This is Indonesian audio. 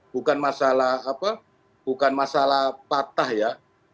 bukan masalah apa bukan masalah patah ya